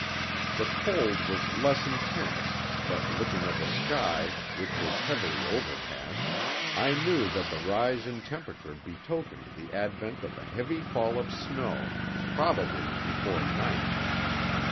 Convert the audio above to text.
The cold was less intense, but, looking at the sky, which was heavily overcast, I knew that the rise in temperature betokened the advent of a heavy fall of snow, probably before night.